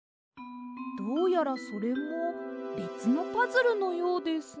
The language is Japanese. どうやらそれもべつのパズルのようですね。